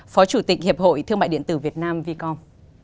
phó chủ tịch hiệp hội thương mại điện tử việt nam vicom